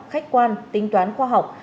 khách quan tính toán khoa học